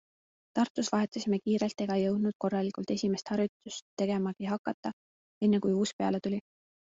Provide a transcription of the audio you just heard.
Tartus vahetasime kiirelt ega jõudnud korralikult esimest harjutust tegemagi hakata, enne kui uus peale tuli.